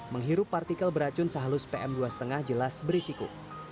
menghirup partikel beracun sehalus pm dua lima jelas berisiko